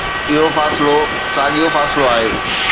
اهو فاصلو ساڳيو فاصلو آهي